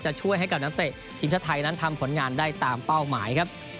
ช่วยให้กับนักเตะทีมชาติไทยนั้นทำผลงานได้ตามเป้าหมายครับ